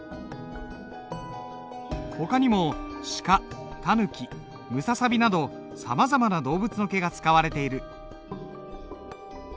ほかにもシカタヌキムササビなどさまざまな動物の毛が使われている。